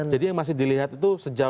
jadi yang masih dilihat itu sejauh ini